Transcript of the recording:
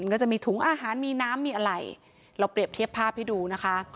ก็จะมีถุงอาหารมีน้ำมีอะไรเราเปรียบเทียบภาพให้ดูนะคะ